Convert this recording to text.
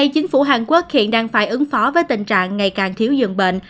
chính phủ hàn quốc hiện đang phải ứng phó với tình trạng ngày càng thiếu dường bệnh